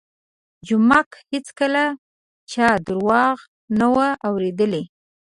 جومک هېڅکله چا درواغ نه وو اورېدلي.